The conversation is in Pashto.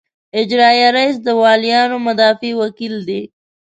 اجرائیه رییس د والیانو مدافع وکیل دی.